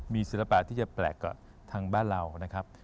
มีศิลปะที่จะแปลกกว่าทางบ้านเรานะครับ